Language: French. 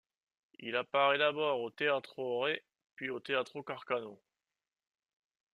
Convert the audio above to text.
Il apparaît d'abord au Teatro Re, puis au Teatro Carcano.